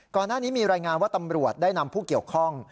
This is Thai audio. ก่อนหน้านี้มีรายงานว่าตำรวจได้นำผู้เกี่ยวข้อง